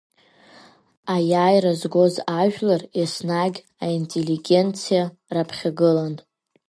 Аиааира згоз ажәлар еснагь аинтеллигенциа раԥхьагылан.